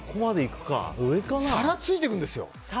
皿、ついてくるんですよ。